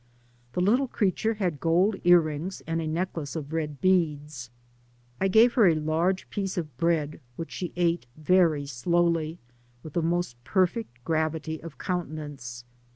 The little creature had gold ear rings and a neck lace of red beads. I gave her a large piece of bread, which she ate very slowly, with the most perfect gravity of countenance.